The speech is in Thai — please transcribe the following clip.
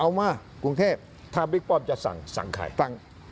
เอามากรุงเทพถ้าบริกป่อบจะสั่งสั่งใคร